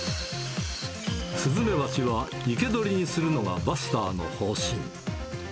スズメバチは生け捕りにするのがバスターの方針。